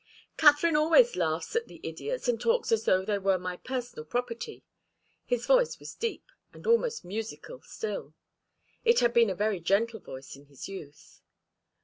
"Katharine always laughs at the idiots, and talks as though they were my personal property." His voice was deep and almost musical still it had been a very gentle voice in his youth.